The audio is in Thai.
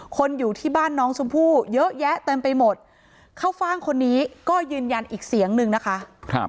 คนอยู่ที่บ้านน้องชมพู่เยอะแยะเต็มไปหมดเข้าฟ่างคนนี้ก็ยืนยันอีกเสียงนึงนะคะ